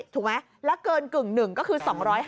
๕๐๐ถูกไหมแล้วเกินกึ่ง๑ก็คือ๒๕๑